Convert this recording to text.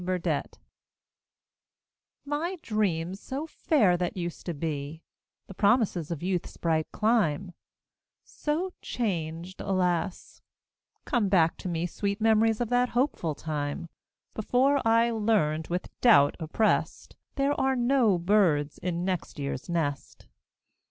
BURDETTE My dreams so fair that used to be, The promises of youth's bright clime, So changed, alas; come back to me Sweet memories of that hopeful time Before I learned, with doubt oppressed, There are no birds in next year's nest.